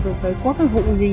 rồi phải có cái vụ gì